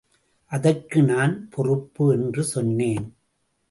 அதற்கு நான் பொறுப்பு என்று சொன்னேன்.